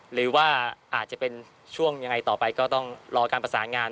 หรือว่าอาจจะเป็นช่วงยังไงต่อไปก็ต้องรอการประสานงาน